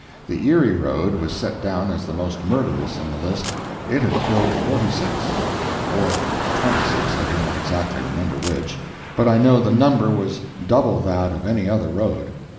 The Erie road was set down as the most murderous in the list. It had killed forty six—or twenty six, I do not exactly remember which, but I know the number was double that of any other road.